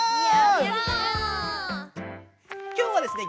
きょうはですね